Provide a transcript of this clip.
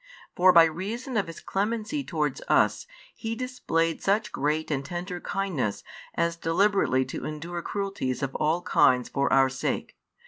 For by reason of His clemency towards us, He displayed such great and tender kindness as deliberately to endure cruelties of all kinds for our sake.